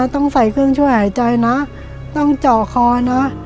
ต้องใส่เครื่องช่วยหายใจนะต้องเจาะคอนะ